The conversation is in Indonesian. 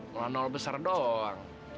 mulai nol besar doang